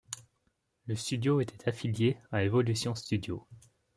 Le studio était affilié à Evolution Studios.